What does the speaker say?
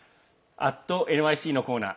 「＠ｎｙｃ」のコーナー